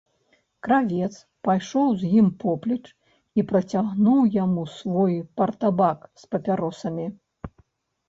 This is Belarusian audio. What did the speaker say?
Кравец пайшоў з ім поплеч і працягнуў яму свой партабак з папяросамі.